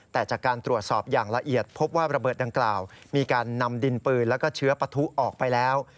แต่จากการตรวจสอบอย่างละเอียดพบว่าระเบิดดังกล่าวมีการนำดินปืนแล้วก็เชื้อปะทุออกไปแล้ว